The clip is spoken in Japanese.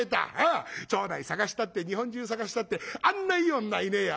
町内探したって日本中探したってあんないい女はいねえや。